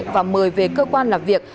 và mời về cơ quan làm việc